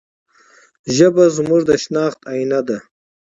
ژبه زموږ د شناخت آینه ده.